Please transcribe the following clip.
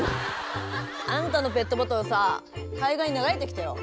あんたのペットボトルさ海岸に流れてきたよ。